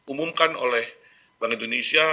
umumkan oleh bank indonesia